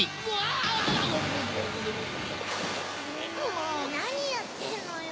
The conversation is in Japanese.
もうなにやってんのよ。